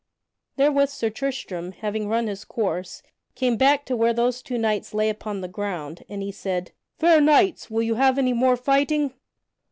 Therewith Sir Tristram, having run his course, came back to where those two knights lay upon the ground, and he said, "Fair Knights, will you have any more fighting?"